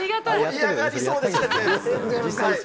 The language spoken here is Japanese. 盛り上がりそうですけど。